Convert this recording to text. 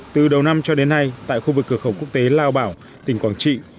từ đầu năm cho đến nay tại khu vực cửa khẩu quốc tế lao bảo tỉnh quảng trị